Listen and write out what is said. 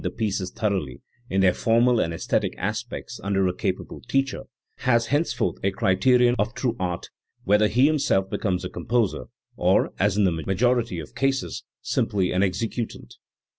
331 the pieces thoroughly, in their formal and aesthetic aspects, under a capable teacher, has henceforth a criterion of true art, whether he himself becomes a composer or, as in the majority of cases, simply an executant.